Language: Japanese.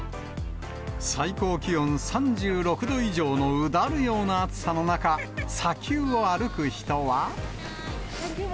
最高気温３６度以上のうだるような暑さの中、砂丘を歩く人は。